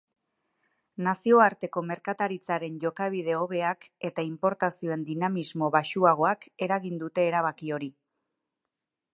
Nazioarteko merkataritzaren jokabide hobeak eta inportazioen dinamismo baxuagoak eragin dute erabaki hori.